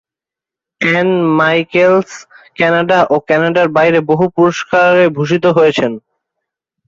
An Michaels Canada এবং কানাডার বাইরের বহু পুরস্কারে ভূষিত হয়েছেন।